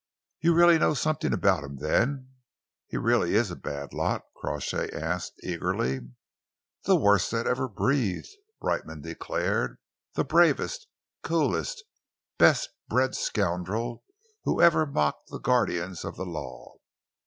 "You really know something about him, then? He really is a bad lot?" Crawshay asked eagerly. "The worst that ever breathed," Brightman declared, "the bravest, coolest, best bred scoundrel who ever mocked the guardians of the law.